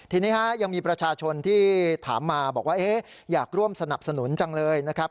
ทีนี้ยังมีประชาชนที่ถามมาบอกว่าอยากร่วมสนับสนุนจังเลยนะครับ